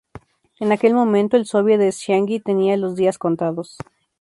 En aquel momento, el sóviet de Jiangxi tenía los días contados.